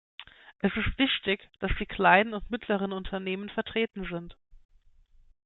Es ist wichtig, dass die kleinen und mittleren Unternehmen vertreten sind.